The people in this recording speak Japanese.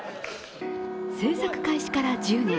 制作開始から１０年。